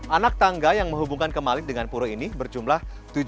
anak tangga yang menghubungkan kemalit dengan pura ini berjumlah tujuh